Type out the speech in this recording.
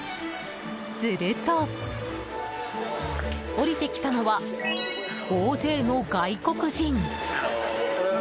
すると、降りてきたのは大勢の外国人。